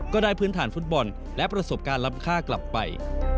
ก็ได้พื้นฐานฟุตบอลและประสบการณ์ล้ำค่ากลับไป